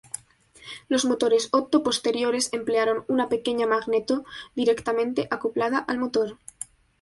Los motores Otto posteriores emplearon una pequeña magneto directamente acoplada al motor.